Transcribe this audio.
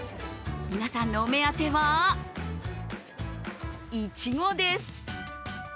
皆さんのお目当てはいちごです。